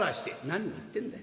「何を言ってんだ。